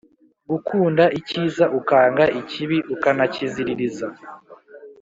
gukunda ikiza ukanga ikibi ukanakiziririza.